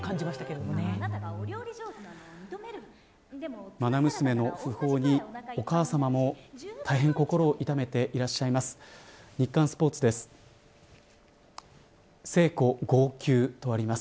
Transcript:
まな娘の訃報にお母さまも大変心を痛めていらっしゃいます。